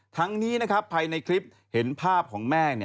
ทั้งนี้ภายในคลิปเห็นภาพของแม่